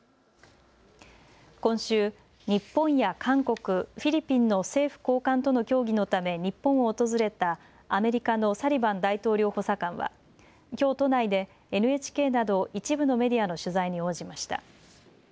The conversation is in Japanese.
今週、日本や韓国、フィリピンの政府高官との協議のため日本を訪れたアメリカのサリバン大統領補佐官はきょう都内でＮＨＫなど一部のメディアの取材に応じました。